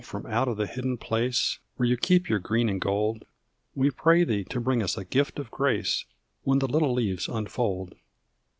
from out of the hidden place Where you keep your green and gold, We pray thee to bring us a gift of grace, When the little leaves unfold.